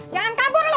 jangan kabur lo